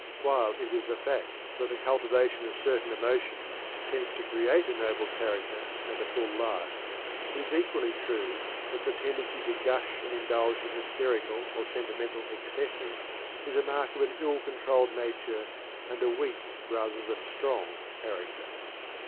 While it is a fact that the cultivation of certain emotions tends to create a noble character and a full life, it is equally true that the tendency to "gush" and indulge in hysterical or sentimental excesses is a mark of an ill controlled nature and a weak, rather than strong, character.